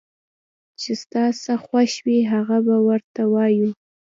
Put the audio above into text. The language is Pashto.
چې ستا څه خوښ وي هغه به ورته ووايو